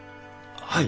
はい。